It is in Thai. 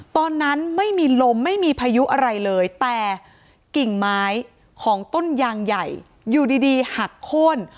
ตอนนั้นไม่มีลมไม่มีพายุอะไรเลยแต่กิ่งไม้ของต้นยางใหญ่อยู่ดีหักโค้น